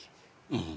うん。